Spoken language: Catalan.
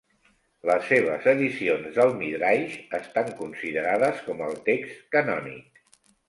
Les seves edicions del Midraix estan considerades com el text canònic.